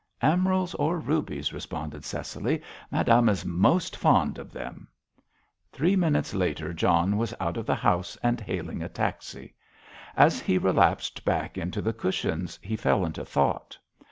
"Emeralds or rubies," responded Cecily, "madame is most fond of them." Three minutes later John was out of the house and hailing a taxi. As he relapsed back into the cushions, he fell into thought.